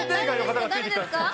誰ですか？